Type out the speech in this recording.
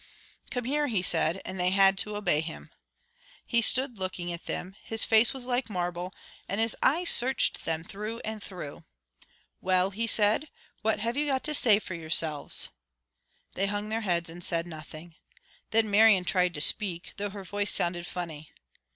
"Come here," he said, and they had to obey him. He stood looking at them. His face was like marble, and his eyes searched them through and through. "Well," he said, "what have you got to say for yourselves?" They hung their heads and said nothing. Then Marian tried to speak, though her voice sounded funny.